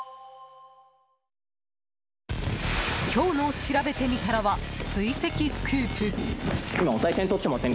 今日のしらべてみたらは追跡スクープ。